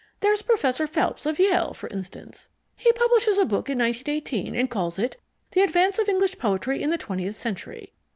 There's Professor Phelps of Yale, for instance. He publishes a book in 1918 and calls it The Advance of English Poetry in the Twentieth Century.